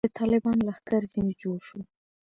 د طالبانو لښکر ځنې جوړ شو.